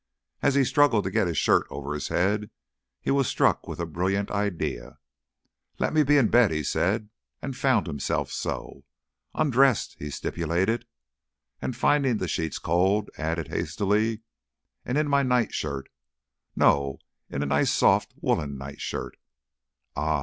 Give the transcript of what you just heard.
As he struggled to get his shirt over his head, he was struck with a brilliant idea. "Let me be in bed," he said, and found himself so. "Undressed," he stipulated; and, finding the sheets cold, added hastily, "and in my nightshirt no, in a nice soft woollen nightshirt. Ah!"